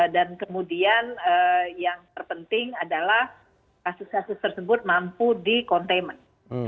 dan kemudian yang terpenting adalah kasus kasus tersebut mampu di containment